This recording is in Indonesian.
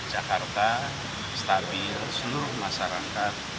jakarta stabil seluruh masyarakat